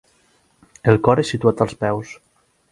El cor és situat als peus.